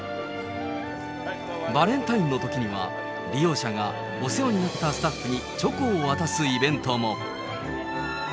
バレンタインのときには、利用者がお世話になったスタッフにチョコを渡すイベントも。